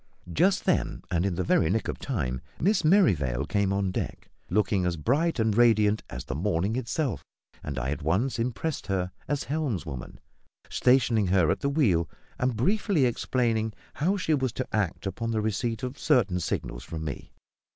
Just then, and in the very nick of time, Miss Merrivale came on deck, looking as bright and radiant as the morning itself; and I at once impressed her as helmswoman, stationing her at the wheel, and briefly explaining how she was to act upon the receipt of certain signals from me.